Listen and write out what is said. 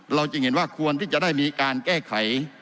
จึงเห็นว่าควรที่จะได้มีการแก้ไข